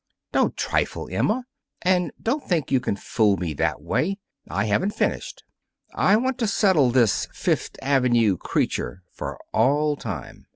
"Don't trifle, Emma. And don't think you can fool me that way. I haven't finished. I want to settle this Fifth Avenue creature for all time.